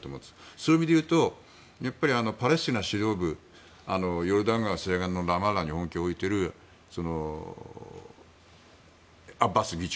そういう意味でいうとパレスチナ指導部ヨルダン側西岸地区に拠点を置いているアッバス議長